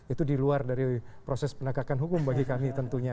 itu diluar dari proses penegakan hukum bagi kami tentunya